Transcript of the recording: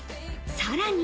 さらに。